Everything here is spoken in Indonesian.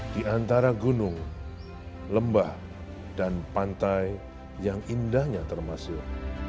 di antara gunung lembah dan pantai yang indahnya termasuk